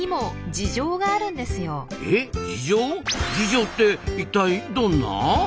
事情って一体どんな？